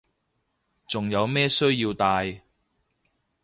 仲有咩需要戴